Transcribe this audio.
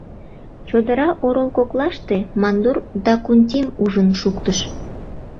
— чодыра орол коклаште мандур Дакунтим ужын шуктыш.